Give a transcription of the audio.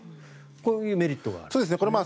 こういうメリットがあるんですね。